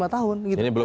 lima tahun gitu kan